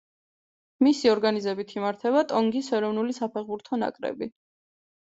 მისი ორგანიზებით იმართება ტონგის ეროვნული საფეხბურთო ნაკრები.